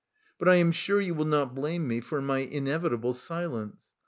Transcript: But I am sure you will not blame me for my inevitable silence.